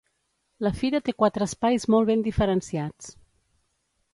La fira té quatre espais molt ben diferenciats.